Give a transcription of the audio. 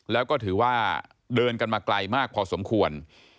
แล้วก็ถือว่าเดินกันมาไกลมากพอสมควร